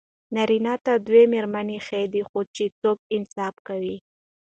نارېنه ته دوه ميرمني ښې دي، خو چې څوک انصاف کوي